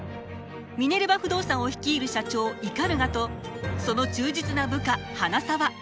ミネルヴァ不動産を率いる社長鵤とその忠実な部下花澤。